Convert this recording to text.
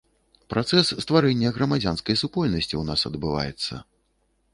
Працэс стварэння грамадзянскай супольнасці ў нас адбываецца.